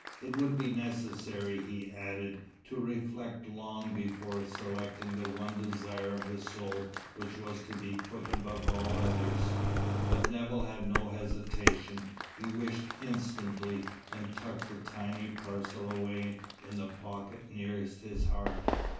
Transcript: It would be necessary, he added, to reflect long before selecting the one desire of the soul which was to be put above all others. But Nevill had no hesitation. He wished instantly, and tucked the tiny parcel away in the pocket nearest his heart.